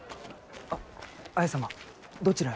あ綾様どちらへ？